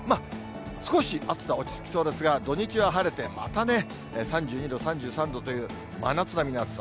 少し暑さ、落ち着きそうですが、土日は晴れて、またね、３２度、３３度という、真夏並みの暑さ。